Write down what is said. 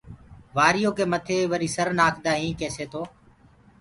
وآريو ڪي مٿي وري سر نآکدآ هين ڪيسآ تو